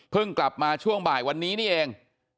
เพิ่งกลับมาช่วงสัปดาห์วันนี้นี่เอง